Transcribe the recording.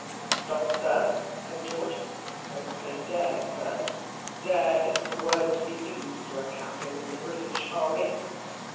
"Stop, sir," says George, "don't say dare, sir. Dare isn't a word to be used to a Captain in the British Army."